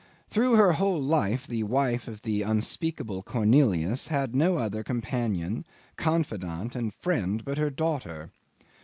Through her whole life the wife of the unspeakable Cornelius had no other companion, confidant, and friend but her daughter.